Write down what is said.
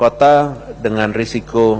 kota yang diperkenankan adalah